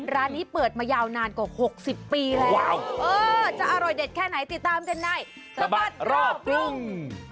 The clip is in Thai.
ร้านนี้เปิดมายาวนานกว่า๖๐ปีแล้วจะอร่อยเด็ดแค่ไหนติดตามกันในสบัดรอบกรุง